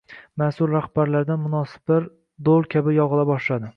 mas’ul rahbarlardan munosabatlar do‘l kabi yog‘ila boshlaydi?